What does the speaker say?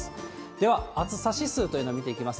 では、暑さ指数というのを見ていきます。